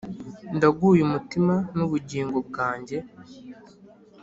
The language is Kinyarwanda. ndaguha uyu mutima n'ubugingo bwanjye !